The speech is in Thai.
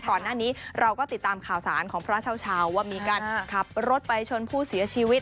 ก่อนหน้านี้เราก็ติดตามข่าวสารของพระเช้าว่ามีการขับรถไปชนผู้เสียชีวิต